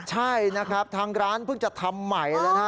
ใช่ทางร้านเพิ่งจะทำใหม่แล้ว